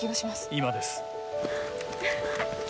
今です。